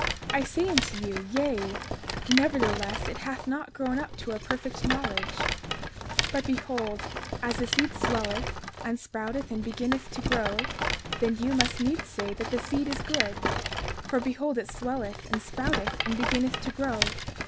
I say unto you, Yea; nevertheless it hath not grown up to a perfect knowledge. 32:30 But behold, as the seed swelleth, and sprouteth, and beginneth to grow, then you must needs say that the seed is good; for behold it swelleth, and sprouteth, and beginneth to grow.